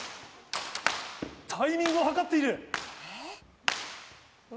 タイミングを計っている。